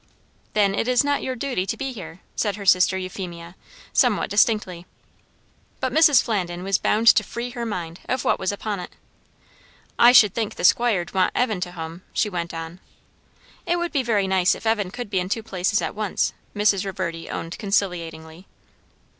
"Then it is not your duty to be here," said her sister Euphemia, somewhat distinctly. But Mrs. Flandin was bound to "free her mind" of what was upon it. "I should think the Squire'd want Evan to hum," she went on. "It would be very nice if Evan could be in two places at once," Mrs. Reverdy owned conciliatingly.